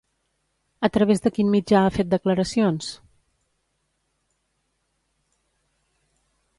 A través de quin mitjà ha fet declaracions?